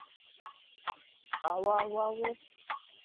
波罗的海沿岸城市。